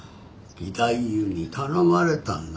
義太夫に頼まれたんだ。